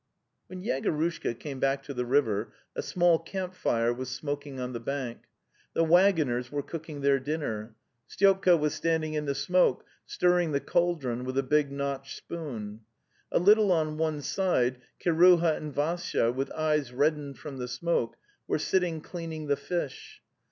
When Yegorushka went back to the river a small camp fire was smoking on the bank. The waggon ers were cooking their dinner. Styopka was stand ing in. the smoke, stirring the cauldron with a big notched spoon. A little on one side Kiruha and Vassya, with eyes reddened from the smoke, were sitting cleaning the fish.